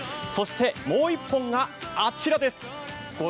そしてもう一本があちらです。